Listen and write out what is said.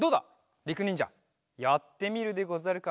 りくにんじゃやってみるでござるか？